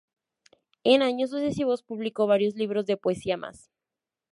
En años sucesivos publicó varios libros de poesía más.